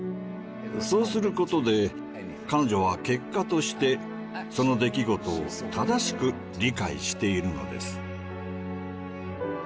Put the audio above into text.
そうすることで彼女は結果としてその出来事を正しく理解しているのです。